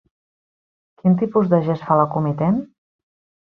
Quin tipus de gest fa la comitent?